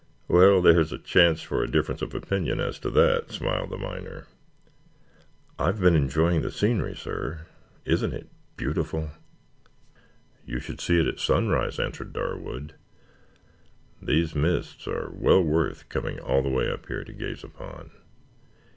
"Well, there's a chance for a difference of opinion as to that," smiled the miner. "I have been enjoying the scenery, sir. Isn't it beautiful?" "You should see it at sunrise," answered Darwood. "These mists are well worth coming all the way up here to gaze upon.